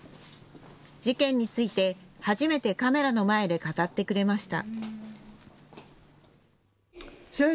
事件について初めてカメラの前で語ってくれました。